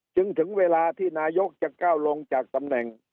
ถึงเวลาที่นายกจะก้าวลงจากตำแหน่ง